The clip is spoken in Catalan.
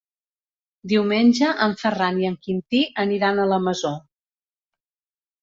Diumenge en Ferran i en Quintí aniran a la Masó.